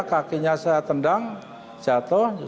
kakinya saya tendang jatuh